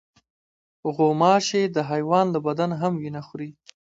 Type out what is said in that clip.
غوماشې د حیوان له بدن هم وینه خوري.